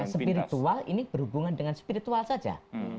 spiritual ini berhubungan dengan spiritual saja